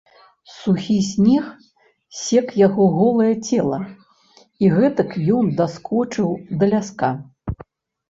Сухі снег сек яго голае цела, і гэтак ён даскочыў да ляска.